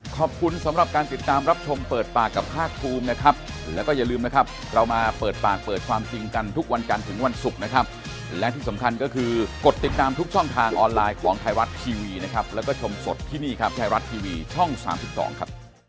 ขอบคุณสำหรับการติดตามรับชมเปิดปากกับภาคภูมินะครับแล้วก็อย่าลืมนะครับเรามาเปิดปากเปิดความจริงกันทุกวันกันถึงวันศุกร์นะครับและที่สำคัญก็คือกดติดตามทุกช่องทางออนไลน์ของไทยรัฐทีวีนะครับแล้วก็ชมสดที่นี่ครับไทยรัฐทีวีช่อง๓๒ครับ